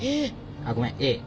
あっごめんＡ。